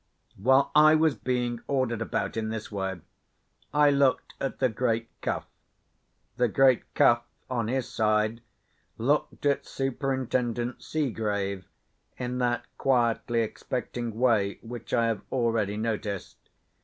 While I was being ordered about in this way, I looked at the great Cuff. The great Cuff, on his side, looked at Superintendent Seegrave in that quietly expecting way which I have already noticed.